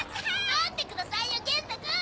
待ってくださいよ元太くん！